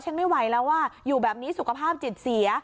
ไม่ไหวแล้วอ่ะอยู่แบบนี้สุขภาพจิตเสีย